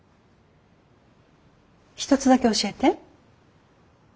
一つだけ教えて。